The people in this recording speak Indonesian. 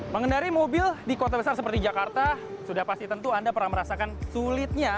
mengendari mobil di kota besar seperti jakarta sudah pasti tentu anda pernah merasakan sulitnya